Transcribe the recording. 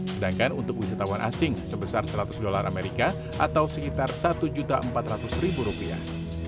sedangkan untuk wisatawan asing sebesar seratus dolar amerika atau sekitar satu empat ratus rupiah